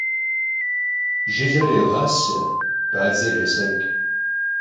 Jjıler yêğase, badzer yêseç'.